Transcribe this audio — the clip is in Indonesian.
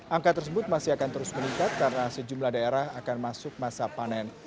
angka tersebut masih akan terus meningkat karena sejumlah daerah akan masuk masa panen